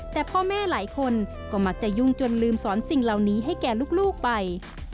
แต่พ่อแม่หลายคนก็มักจะยุ่งจนลืมสอนสิ่งเหล่านี้ให้แก่ลูกไป